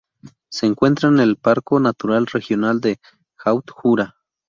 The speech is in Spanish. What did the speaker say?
Se encuentra en el parco natural regional del Haut Jura.